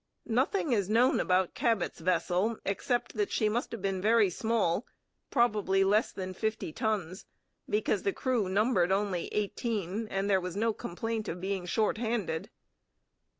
Nothing is known about Cabot's vessel except that she must have been very small, probably less than fifty tons, because the crew numbered only eighteen and there was no complaint of being short handed.